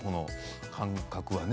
感覚はね。